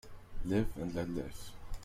Live and let live.